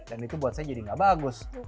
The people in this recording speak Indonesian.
dan itu buat saya jadi nggak bagus